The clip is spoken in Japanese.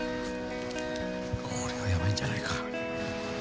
これはヤバいんじゃないか？